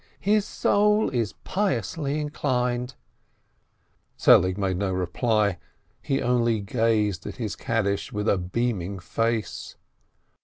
"His soul is piously inclined !" Selig made no reply, he only gazed at his Kaddish with a beaming face.